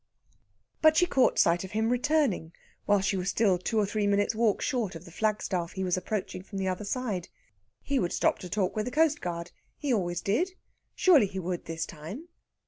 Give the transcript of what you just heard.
But she caught sight of him returning, while she was still two or three minutes' walk short of the flagstaff he was approaching from the other side. He would stop to talk with the coastguard. He always did. Surely he would, this time.